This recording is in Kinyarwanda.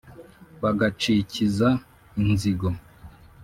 bagacikiza inzigo.